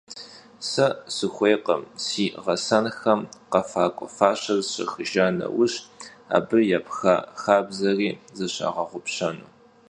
Se sıxuêykhım si ğesenxem khefak'ue faşer zışaxıjja neuj, abı yêpxa xabzeri zışağeğupşenu.